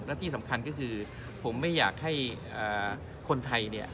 และที่สำคัญก็คือผมไม่อยากให้คนไทยเนี่ย